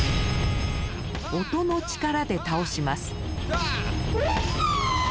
音の力で倒します。